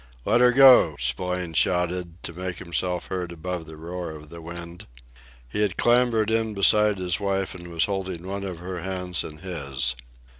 "Let her go!" Spillane shouted, to make himself heard above the roar of the wind. He had clambered in beside his wife, and was holding one of her hands in his.